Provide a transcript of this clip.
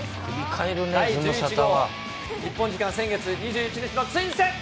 第１１号、日本時間先月２１日のツインズ戦。